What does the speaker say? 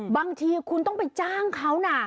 บางทีคุณต้องไปจ้างเขานะ